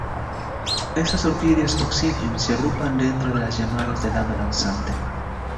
Estas orquídeas Oncidium se agrupan dentro de las llamadas de Dama danzante.